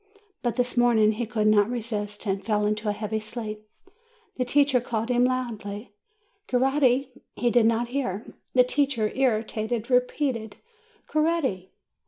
But this morning he could not resist, and fell into a heavy sleep. The teacher called him loudly: "Co retti" He did not hear. The teacher, irritated, re peated, "Coretti